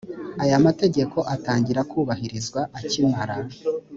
aya mategeko atangira kubahirizwa akimara